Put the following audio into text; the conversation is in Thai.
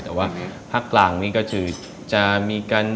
ยืนยันว่าเป็นเวทนามแท้เลย